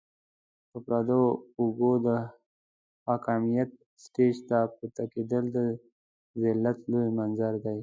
پر پردو اوږو د حاکميت سټېج ته پورته کېدل د ذلت لوی منظر دی.